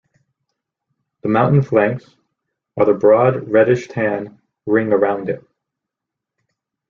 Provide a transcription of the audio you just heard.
The mountain flanks are the broad reddish-tan ring around it.